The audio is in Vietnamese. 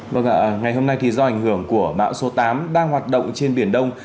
vâng ạ ngày hôm nay thì do ảnh hưởng của bão số tám đang hoạt động trên biển đông